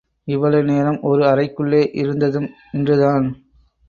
இவ்வளவு நேரம் ஒரு அறைக்குள்ளே இருந்ததும் இன்று தான்.